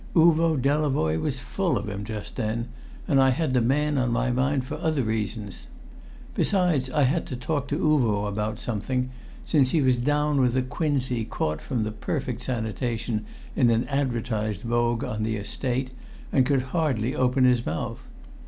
Uvo Delavoye was full of him just then, and I had the man on my mind for other reasons. Besides, I had to talk to Uvo about something, since he was down with a quinsy caught from the perfect sanitation in advertised vogue on the Estate, and could hardly open his own mouth.